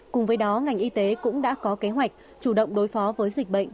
cùng với đó ngành y tế cũng đã có kế hoạch chủ động đối phó với dịch bệnh